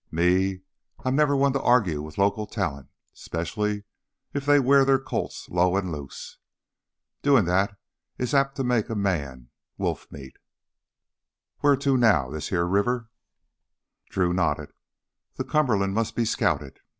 "Me, I'm never one to argue with local talent, specially if they wear their Colts low and loose. Doin' that is apt to make a man wolf meat. Wheah to now this heah river?" Drew nodded. The Cumberland must be scouted.